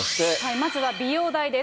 まずは美容代です。